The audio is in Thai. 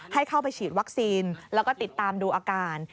ให้เข้าไปฉีดวัคซีนแล้วก็ติดตามดูอาการ